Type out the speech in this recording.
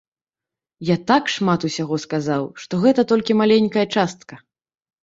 Я так шмат усяго сказаў, што гэта толькі маленькая частка.